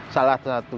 salah satunya menerima